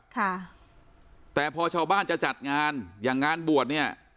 ค่ะแต่พอชาวบ้านจะจัดงานอย่างงานบวชเนี่ย